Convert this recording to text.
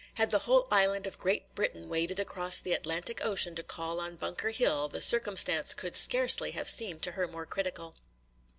Had the whole island of Great Britain waded across the Atlantic Ocean to call on Bunker Hill, the circumstance could scarcely have seemed to her more critical.